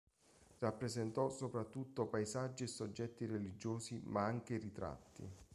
Rappresentò soprattutto paesaggi e soggetti religiosi, ma anche ritratti.